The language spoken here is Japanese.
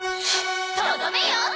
とどめよ！